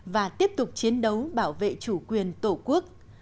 và tiếp tục chiến đấu bảo vệ chủ quyền tổ quốc